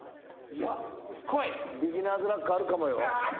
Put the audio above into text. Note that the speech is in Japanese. ビギナーズラックあるかもよ。